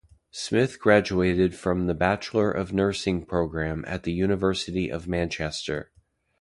Smith graduated from the Bachelor of Nursing programme at the University of Manchester.